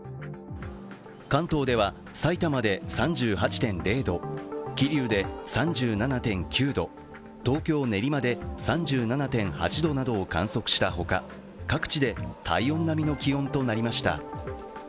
関東では、さいたまで３８．０度、桐生で３７．９度、東京・練馬で３７．８度などを観測したほか、各地で体温並みの気温となりました。